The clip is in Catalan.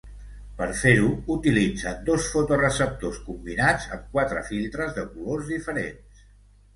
Per fer-ho, utilitzen dos fotoreceptors combinats amb quatre filtres de colors diferents.